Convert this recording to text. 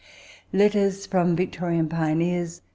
Letters from Victorian Pioneers.